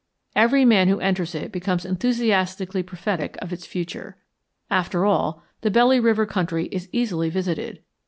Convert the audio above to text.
Every man who enters it becomes enthusiastically prophetic of its future. After all, the Belly River country is easily visited.